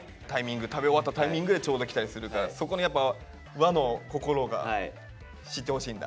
食べ終わったタイミングでちょうどきたりするからそこの和の心が知ってほしいんだ。